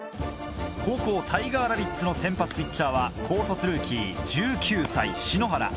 後攻タイガーラビッツの先発ピッチャーは高卒ルーキー１９歳篠原。